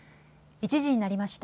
１時になりました。